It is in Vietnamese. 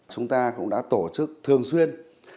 chúng ta cũng đã tổ chức thường xuyên